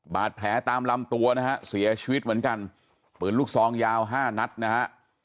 บาดแผลตามลำตัวนะฮะเสียชีวิตเหมือนกันปืนลูกซองยาวห้านัดนะฮะ